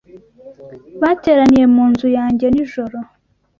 Bateraniye mu nzu yanjye nijoro.